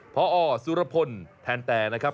พอสุรพลแทนแต่นะครับ